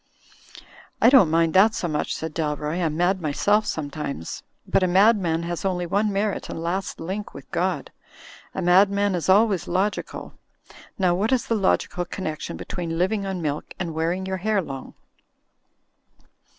"I don't mind that so much," said Dalroy, "I'm mad myself sometimes. But a madman has only one merit and last link with God. A madman is always logical. Now what is the logical connection between living on milk and wearing your hair long?